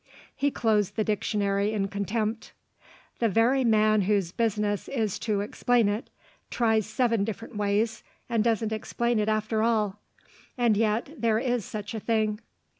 He closed the dictionary in contempt. "The very man whose business is to explain it, tries seven different ways, and doesn't explain it after all. And yet, there is such a thing."